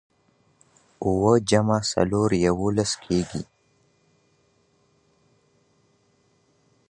اووه جمع څلور؛ يوولس کېږي.